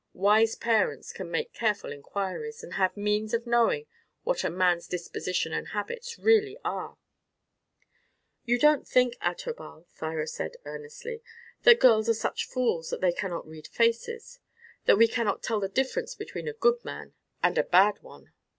Wise parents can make careful inquiries, and have means of knowing what a man's disposition and habits really are." "You don't think, Adherbal," Thyra said earnestly, "that girls are such fools that they cannot read faces; that we cannot tell the difference between a good man and a bad one."